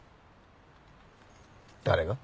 誰が？